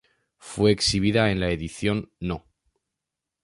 Fue exhibida en la edición No.